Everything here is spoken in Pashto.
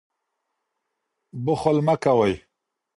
بخل مه کوئ.